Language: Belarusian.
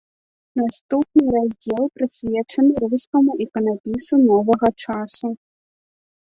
Наступны раздзел прысвечаны рускаму іканапісу новага часу.